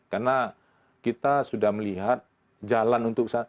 karena kita sudah melihat jalan untuk